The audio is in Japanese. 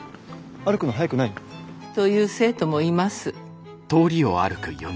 歩くの速くない？と言う生徒もいます。